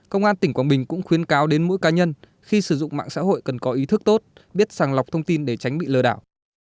công an tỉnh quảng bình cũng khuyến cáo đến mỗi cá nhân khi sử dụng mạng xã hội cần có ý thức tốt biết sàng lọc thông tin để tránh bị lừa đảo